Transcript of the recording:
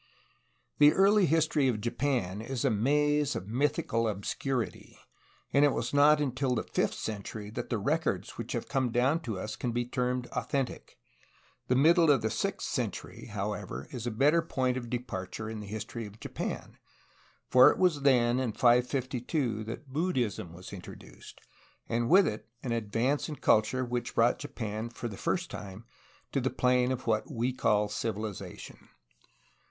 The early history of Japan is a maze of mythical obscur ity, and it was not until the fifth century that the records ■ 31 32 A HISTORY OF CALIFORNIA which nave come down to us can be termed authentic. The middle of the sixth century, however, is a better point of departure in the history of Japan, for it was then, in 552, that Buddhism was introduced, and with it an advance in culture which brought Japan for the first time to the plane of what we call civilization.